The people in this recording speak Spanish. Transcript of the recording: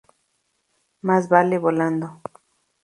Más vale volando.